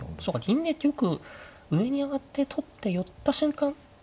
そうか銀で玉上に上がって取って寄った瞬間